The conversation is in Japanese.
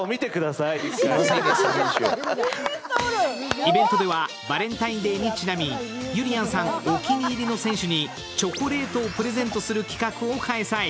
イベントではバレンタインデーにちなみゆりやんさん、お気に入りの選手にチョコレートをプレゼントする企画を開催。